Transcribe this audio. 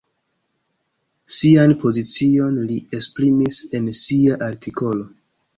Sian pozicion li esprimis en sia artikolo.